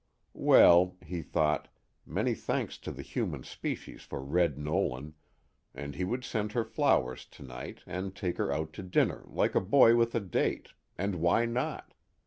Well, he thought, many thanks to the human species for Red Nolan, and he would send her flowers tonight and take her out to dinner like a boy with a date and why not?